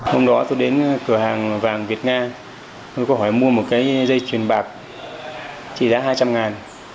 hôm đó tôi đến cửa hàng vàng việt nga tôi có hỏi mua một cái dây truyền bạc trị giá hai trăm linh ngàn